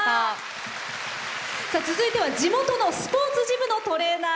続いては地元のスポーツジムのトレーナー。